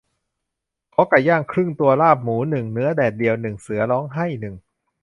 ขอไก่ย่างครึ่งตัว ลาบหมูหนึ่ง เนื้อแดดเดียวหนึ่ง เสือร้องไห้หนึ่ง